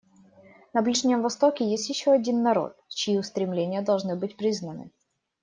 На Ближнем Востоке есть еще один народ, чьи устремления должны быть признаны.